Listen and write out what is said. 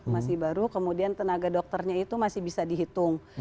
masih baru kemudian tenaga dokternya itu masih bisa dihitung